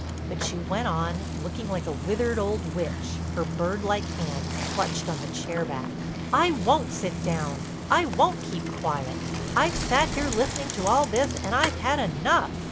But she went on, looking like a withered old witch, with her bird like hands clutched on the chair back: "I won't sit down, I won't keep quiet. I've sat here listening to all this and I've had enough.